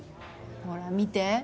ほら見て。